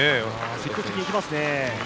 積極的に行きますね。